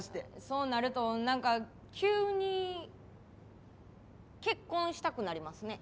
そうなるとなんか急に結婚したくなりますね。